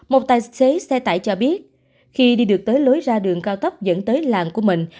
một tài xế xe tải cho biết khi đi được tới lối ra đường cao tốc dẫn tới làng của mình